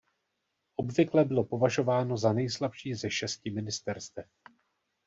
Obvykle bylo považováno za nejslabší ze šesti ministerstev.